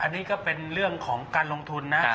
อันนี้ก็เป็นเรื่องของการลงทุนนะ